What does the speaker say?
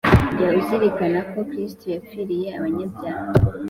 jya uzirikana ko Kristo yapfiriye abanyabyaha